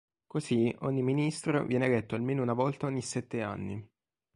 Così ogni ministro viene eletto almeno una volta ogni sette anni.